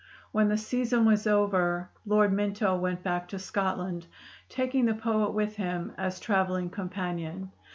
When the season was over Lord Minto went back to Scotland, taking the poet with him as traveling companion.